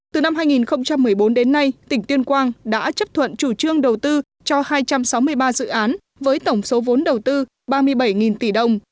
từ năm hai nghìn một mươi bốn đến nay tỉnh tuyên quang đã chấp thuận chủ trương đầu tư cho hai trăm sáu mươi ba dự án với tổng số vốn đầu tư ba mươi bảy tỷ đồng